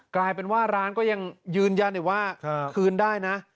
กลายเป็นว่าร้านก็ยังยืนยันอีกว่าคืนได้นะ